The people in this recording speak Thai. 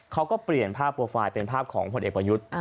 เขาก็เปลี่ยนภาพโปรไฟล์เป็นภาพของพลเอกประยุทธ์